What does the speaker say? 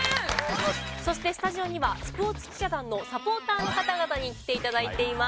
そしてスタジオにはスポーツ記者団のサポーターの方々に来ていただいています。